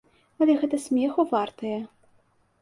Але гэта смеху вартае.